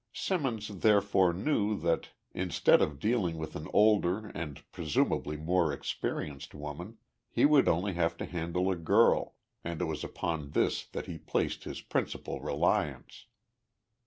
Simmons therefore knew that, instead of dealing with an older and presumably more experienced woman, he would only have to handle a girl, and it was upon this that he placed his principal reliance.